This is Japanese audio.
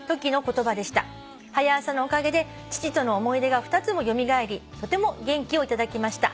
「『はや朝』のおかげで父との思い出が２つも蘇りとても元気を頂きました」